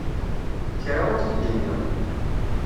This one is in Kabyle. Kra ur t-id-nniɣ.